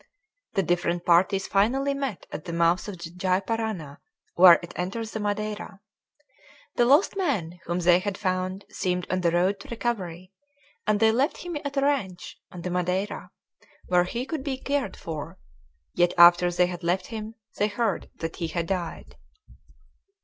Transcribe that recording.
The different parties finally met at the mouth of the Gy Parana, where it enters the Madeira. The lost man whom they had found seemed on the road to recovery, and they left him at a ranch, on the Madeira, where he could be cared for; yet after they had left him they heard that he had died.